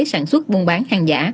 sản xuất buôn bán hàng giả